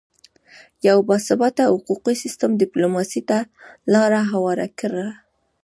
یو باثباته حقوقي سیستم ډیپلوماسي ته لاره هواره کړه